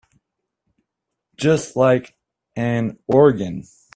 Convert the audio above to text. Just like an organ.